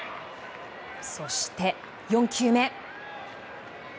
そして、４球目。